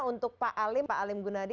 untuk pak alim pak alim gunadi